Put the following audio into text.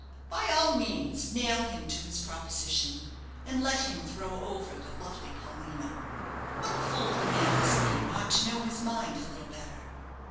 By all means nail him to his proposition, and let him throw over the lovely Paulina. What a fool the man must be not to know his mind a little better!"